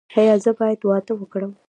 ایا زه باید واده وکړم؟